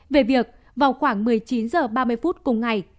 về việc vào khoảng một mươi chín h ba mươi phút cùng ngày